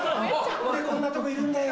何でこんなとこいるんだよ。